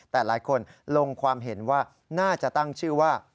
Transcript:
แต่หลายคนลงความเห็นว่าน่าจะตั้งชื่อว่า